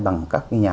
bằng các nhà